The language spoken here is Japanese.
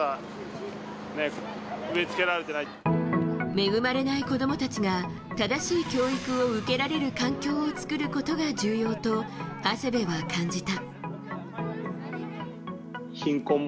恵まれない子供たちが正しい教育を受けられる環境を作ることが重要と長谷部は感じた。